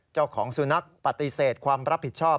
เจ้าของสุนัขปฏิเสธความรับผิดชอบ